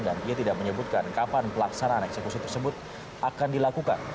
dan dia tidak menyebutkan kapan pelaksanaan eksekusi tersebut akan dilakukan